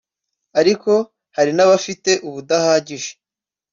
ariko hari n’abafite ubudahagije